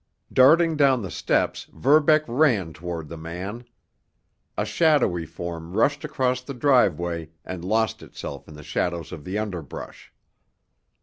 Darting down the steps, Verbeck ran toward the man. A shadowy form rushed across the driveway and lost itself in the shadows of the underbrush.